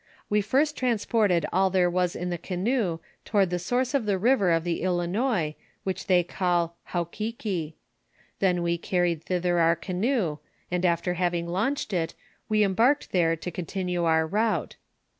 We first trans ported all there was in the canoe toward the source of the river of the Ilinois^ which they call Haukiki ; then we carried thither our canoe, and after having launched it, we embarked there to continue our route.